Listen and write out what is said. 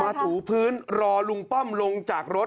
ถูพื้นรอลุงป้อมลงจากรถ